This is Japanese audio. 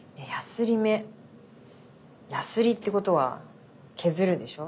やすりってことは削るでしょ？